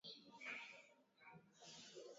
na mbwa mwitu otters kubwa ni wanachama